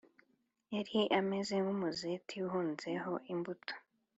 yari ameze nk’umuzeti uhunzeho imbuto,